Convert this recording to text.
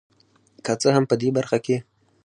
که څه هم په دې برخه کې